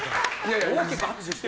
大きく拍手してよ。